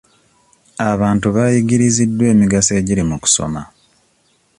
Abantu bayigiriziddwa emigaso egiri mu kusoma.